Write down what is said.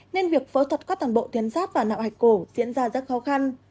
nên việc phẫu thuật các toàn bộ tiến giáp và nạo hạch cổ diễn ra rất khó khăn